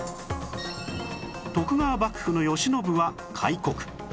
徳川幕府の慶喜は開国